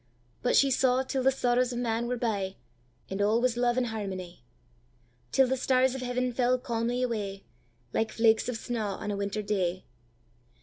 But she saw till the sorrows of man were bye, And all was love and harmony; Till the stars of heaven fell calmly away, Like flakes of snaw on a winter day.